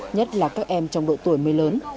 nhất là các em trong độ tuổi mới lớn